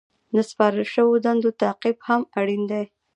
د سپارل شوو دندو تعقیب هم اړین دی.